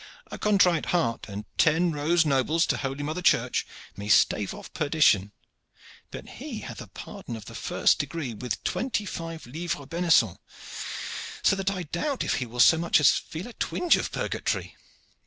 A contrite heart and ten nobles to holy mother Church may stave off perdition; but he hath a pardon of the first degree, with a twenty five livre benison, so that I doubt if he will so much as feel a twinge of purgatory.